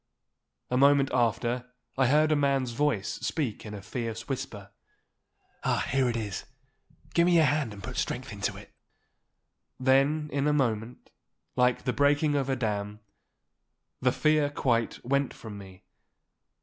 A moment after I heard a man's voice speak in a fierce whisper. 'Ah, here it is! Give me your hand and put strength to it.' Then in a moment, like the breaking of a dam, the fear quite went from me.